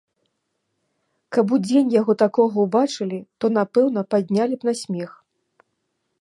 Каб удзень яго такога ўбачылі, то, напэўна, паднялі б на смех.